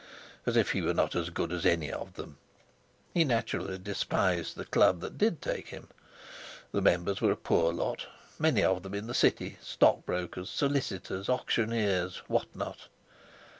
As if he were not as good as any of them! He naturally despised the Club that did take him. The members were a poor lot, many of them in the City—stockbrokers, solicitors, auctioneers—what not!